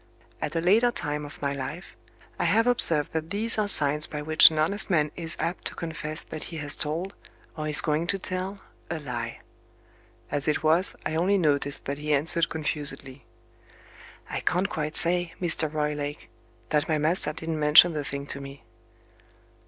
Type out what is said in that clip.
At a later time of my life, I have observed that these are signs by which an honest man is apt to confess that he has told, or is going to tell, a lie. As it was, I only noticed that he answered confusedly. "I can't quite say, Mr. Roylake, that my master didn't mention the thing to me."